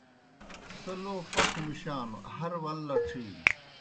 سہ لو پکھوْ مُشانوْ ہر ول لڇِھینوْ۔